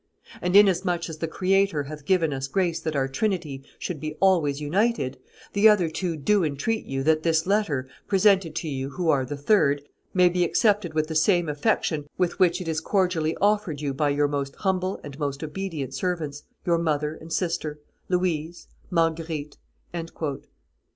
And inasmuch as the Creator bath given us grace that our trinity should be always united, the other two do entreat you that this letter, presented to you, who are the third, may be accepted with the same affection with which it is cordially offered you by your most humble and most obedient servants, your mother and sister LOUISE, MARGUERITE."